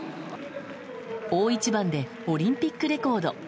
大一番でオリンピックレコード。